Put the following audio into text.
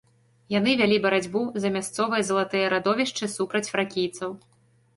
Яны вялі барацьбу за мясцовыя залатыя радовішчы супраць фракійцаў.